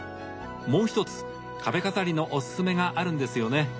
もう一つ壁飾りのおすすめがあるんですよね